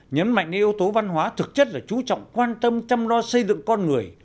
nhấn mạnh đến yếu tố văn hóa thực chất là chú trọng quan tâm chăm lo xây dựng con người